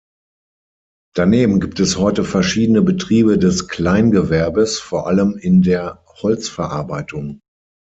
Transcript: Daneben gibt es heute verschiedene Betriebe des Kleingewerbes, vor allem in der Holzverarbeitung.